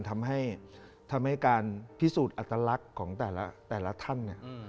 ทำให้การพิสูจน์อัตลักษณ์ของแต่ละท่าน